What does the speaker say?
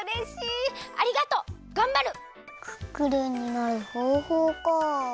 クックルンになるほうほうか。